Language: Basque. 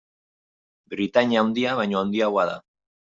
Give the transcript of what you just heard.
Britania Handia baino handiagoa da.